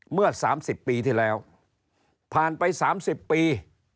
เมื่อสามสิบปีที่แล้วผ่านไปสามสิบปี